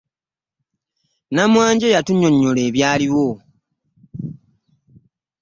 Namwanje yatunyonnyola ebyaliwo .